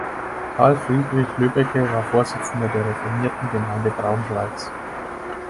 Carl Friedrich Löbbecke war Vorsitzender der Reformierten Gemeinde Braunschweigs.